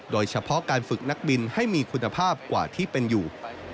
โดยเฉพาะการฝึกนักบินให้มีคุณภาพกว่าที่เป็นอยู่